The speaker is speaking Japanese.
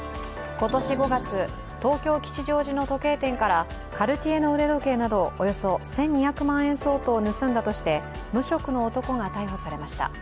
今年５月、東京・吉祥寺の時計店からカルティエの腕時計などおよそ１２００万円相当を盗んだとして無職の男が逮捕されました。